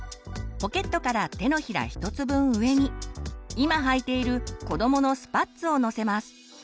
ポケットから手のひら１つ分上に今はいているこどものスパッツを載せます。